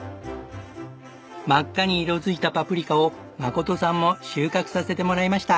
真っ赤に色づいたパプリカを真琴さんも収穫させてもらいました。